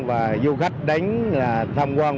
và du khách đánh thăm quan